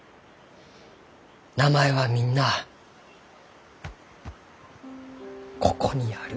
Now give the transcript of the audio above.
名前はみんなあここにある。